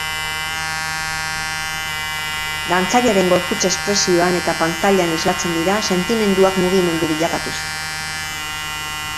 Dantzariaren gorputz espesioan eta pantailan islatzen dira sentimenduak, mugimendu bilakatuz.